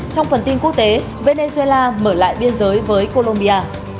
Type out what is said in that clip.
trong phần tin quốc tế venezuela mở lại biên giới với colombia